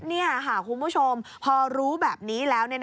นี่ค่ะคุณผู้ชมพอรู้แบบนี้แล้ว